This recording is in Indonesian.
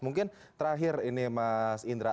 mungkin terakhir ini mas indra